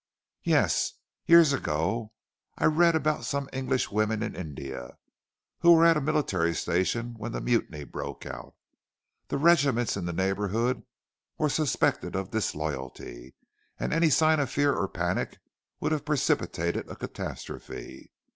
"Yes! Years ago I read about some English women in India who were at a military station when the Mutiny broke out. The regiments in the neighbourhood were suspected of disloyalty and any sign of fear or panic would have precipitated a catastrophe.